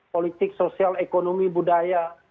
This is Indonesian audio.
politik sosial ekonomi budaya